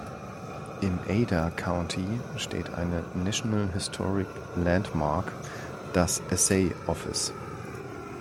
Im Ada County steht eine National Historic Landmark, das Assay Office.